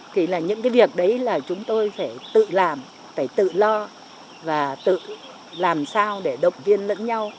thì là những cái việc đấy là chúng tôi phải tự làm phải tự lo và tự làm sao để động viên lẫn nhau